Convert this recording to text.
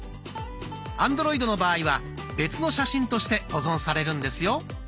アンドロイドの場合は別の写真として保存されるんですよ。